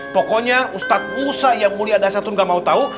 pokoknya ustadz musa yang mulia dasar tuh gak mau tahu